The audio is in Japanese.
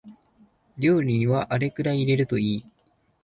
料理にはあれくらい入れるといい